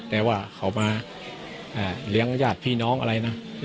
แต่ว่าเขามาเลี้ยงญาติพี่น้องอะไรนะ